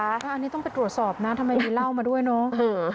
อันนี้ต้องไปตรวจสอบนะทำไมมีเหล้ามาด้วยเนาะ